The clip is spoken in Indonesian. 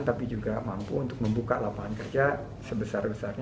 tapi juga mampu untuk membuka lapangan kerja sebesar besarnya